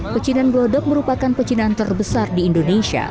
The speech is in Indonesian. percinan brodok merupakan percinan terbesar di indonesia